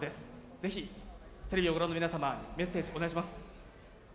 ぜひテレビをご覧の皆様にメッセージをお願いします。